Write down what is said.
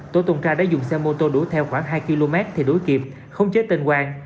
tổ tuần tra đã dùng xe mô tô đuổi theo khoảng hai km thì đuổi kịp không chế tên quang